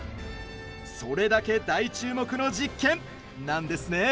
それだけ大注目の実験なんですね。